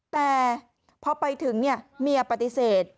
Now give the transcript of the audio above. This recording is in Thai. แต่พอไปถึงเมียปฏิเสธ